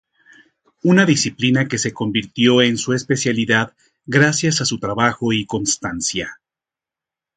Una disciplina que se convirtió en su especialidad gracias a su trabajo y constancia.